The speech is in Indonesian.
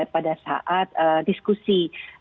pada saat diskusi